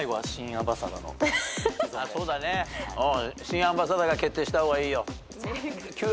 新アンバサダーが決定した方がいいよ。